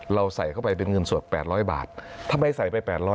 เราใส่เข้าไปเป็นเงินสด๘๐๐บาททำไมใส่ไป๘๐๐